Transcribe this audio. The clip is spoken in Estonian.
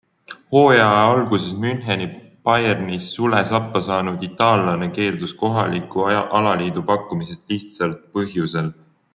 Hooaja alguses Müncheni Bayernist sule sappa saanud itaallane keeldus kohaliku alaliidu pakkumisest lihtsalt põhjusel.